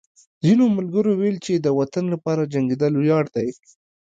ځینو ملګرو ویل چې د وطن لپاره جنګېدل ویاړ دی